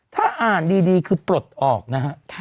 ถ้าอ่านดีคือปลดออกนะฮะ